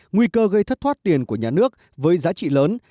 nguy cơ gây thất thoát tiền của nhà nước với giá trị lớn